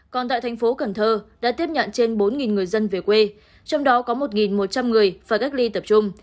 còn tại thành phố cần thơ đã tiếp nhận trên bốn người dân về quê trong đó có một một trăm linh người phải cách ly tập trung